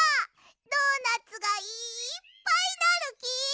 ドーナツがいっぱいなるき。